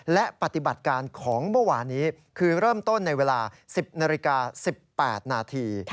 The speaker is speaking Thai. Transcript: และปฏิบัติการของเมื่อวานี้คือเริ่มต้นในเวลา๑๐นาฬิกา๑๘นาที